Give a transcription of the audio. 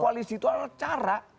koalisi itu adalah cara